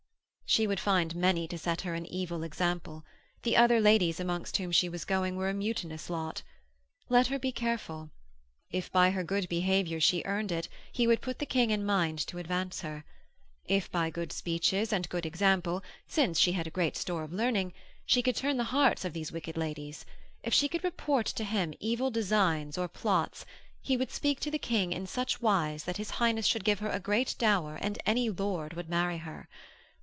She would find many to set her an evil example. The other ladies amongst whom she was going were a mutinous knot. Let her be careful! If by her good behaviour she earned it, he would put the King in mind to advance her. If by good speeches and good example since she had great store of learning she could turn the hearts of these wicked ladies; if she could report to him evil designs or plots, he would speak to the King in such wise that His Highness should give her a great dower and any lord would marry her.